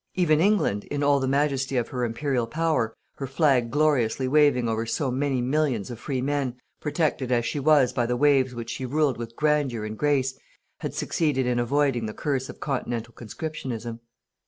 Even England, in all the majesty of her Imperial power, her flag gloriously waving over so many millions of free men, protected as she was by the waves which she ruled with grandeur and grace, had succeeded in avoiding the curse of continental conscriptionism.